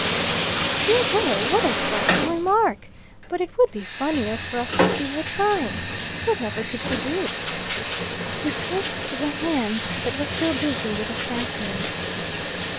"Dear boy, what a frightful remark! But it would be funnier for us to see her trying. Whatever could she do?" He kissed the hands that were still busy with the fastenings.